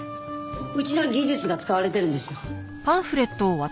うちの技術が使われてるんですよ。